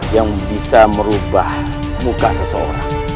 yang bisa merubah muka seseorang